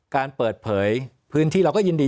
การเปิดเผยพื้นที่เราก็ยินดี